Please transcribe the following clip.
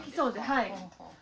はい